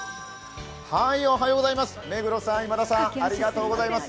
目黒さん、今田さん、ありがとうございます。